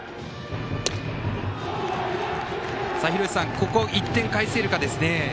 ここ１点返せるかですね。